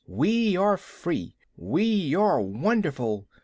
We are free. We are wonderful.